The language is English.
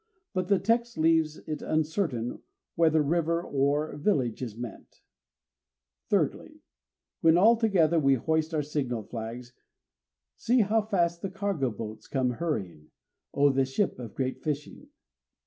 But the text leaves it uncertain whether river or village is meant. Thirdly, When, all together, we hoist our signal flags, see how fast the cargo boats come hurrying! _O this ship of great fishing!